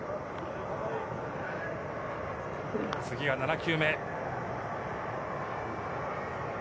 次が７球目。